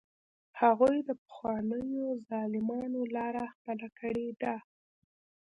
هغوی د پخوانیو ظالمانو لاره خپله کړې ده.